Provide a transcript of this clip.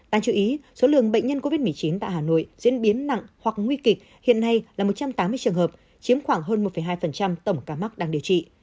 đáng chú ý số lượng bệnh nhân covid một mươi chín tại hà nội diễn biến nặng hoặc nguy kịch hiện nay là một trăm tám mươi trường hợp chiếm khoảng hơn một hai tổng ca mắc đang điều trị